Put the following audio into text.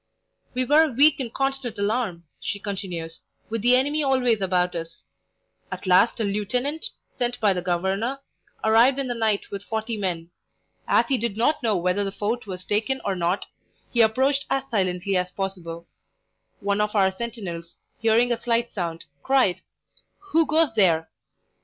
"We were a week in constant alarm," she continues, "with the enemy always about us. At last a lieutenant, sent by the governor, arrived in the night with forty men. As he did not know whether the fort was taken or not, he approached as silently as possible. One of our sentinels, hearing a slight sound, cried: 'Who goes there?'